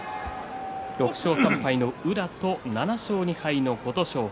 ６勝３敗の宇良と７勝２敗の琴勝峰